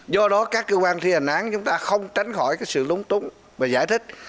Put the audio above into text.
do đó các cơ quan thi hành án chúng ta không tránh khỏi sự lúng túng và giải thích